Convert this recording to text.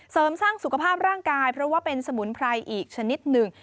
เสริมสร้างสุขภาพร่างกายเพราะว่าเป็นสมุนไพรอีกชนิดหนึ่ง